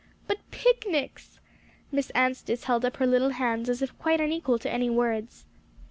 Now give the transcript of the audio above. "But picnics!" Miss Anstice held up her little hands, as if quite unequal to any words.